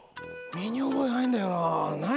身に覚えがないんだよな。